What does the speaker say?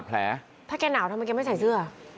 แผลถ้าแกหนาวทำไมแกไม่ใส่เสื้อ